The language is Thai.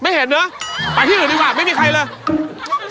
เห็นเนอะไปที่อื่นดีกว่าไม่มีใครเลย